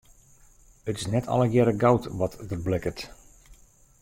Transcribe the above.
It is net allegearre goud wat der blikkert.